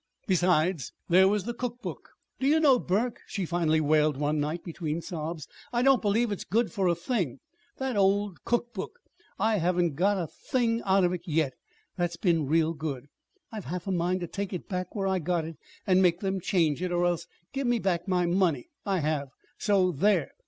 Besides, there was the cookbook. "Do you know, Burke," she finally wailed one night, between sobs, "I don't believe it's good for a thing that old cookbook! I haven't got a thing out of it yet that's been real good. I've half a mind to take it back where I got it, and make them change it, or else give me back my money. I have, so there!"